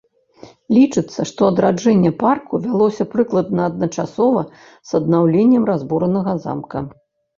Лічыцца, што адраджэнне парку вялося прыкладна адначасова з аднаўленнем разбуранага замка.